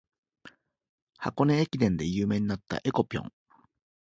箱根駅伝で有名になった「えこぴょん」